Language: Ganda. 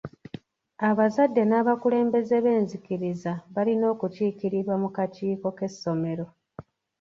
Abazadde n'abakulembeze b'enzikkiriza balina okukiikirirwa mu kakiiko k'essomero.